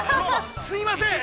すいません。